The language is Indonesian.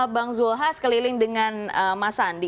bang zulhas keliling dengan mas sandi